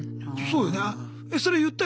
そうよね。